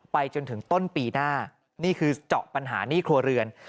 จนถึงต้นปีหน้านี่คือเจาะปัญหาหนี้ครัวเรือน